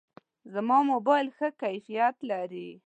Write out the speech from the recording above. زما موبایل ښه کیفیت لري.